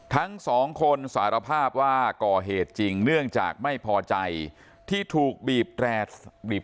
ทั้งสองคนสารภาพว่าก่อเหตุจริงเนื่องจากไม่พอใจที่ถูกบีบแรดบีบ